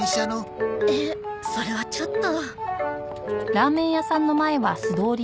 えっそれはちょっと。